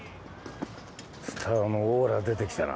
スターのオーラ出てきたな